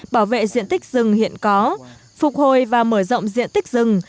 bảo vệ diện tích rừng hiện có phục hồi và mở rộng diện tích rừng